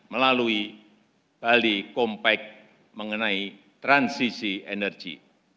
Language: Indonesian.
melalui bali compact mengenai transisi energi